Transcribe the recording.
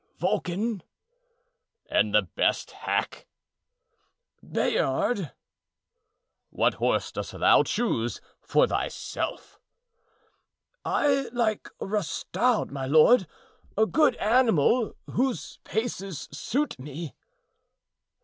"Vulcan." "And the best hack?" "Bayard." "What horse dost thou choose for thyself?" "I like Rustaud, my lord; a good animal, whose paces suit me."